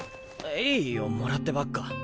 いいよもらってばっか。